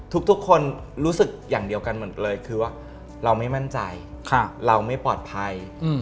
ทุกคนรู้สึกอย่างเดียวกันหมดเลยคือว่าเราไม่มั่นใจเราไม่ปลอดภัย